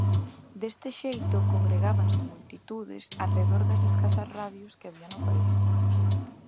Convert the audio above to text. Deste xeito, congregábanse multitudes arredor das escasas radios que había no país.